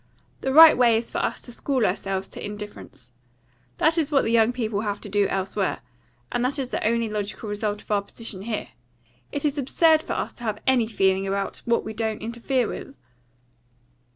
The right way is for us to school ourselves to indifference. That is what the young people have to do elsewhere, and that is the only logical result of our position here. It is absurd for us to have any feeling about what we don't interfere with."